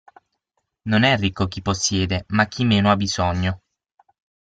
Non è ricco chi possiede ma chi meno ha bisogno.